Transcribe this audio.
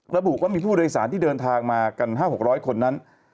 ระบุว่ามีผู้โดยสารที่เดินทางมากัน๕๖๐๐คนนั้น